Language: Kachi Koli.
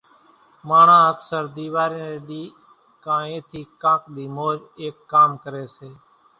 ماڻۿان اڪثر ۮيواري ني ۮي ڪان اين ٿي ڪانڪ ۮي مور ايڪ ڪام ڪري سي،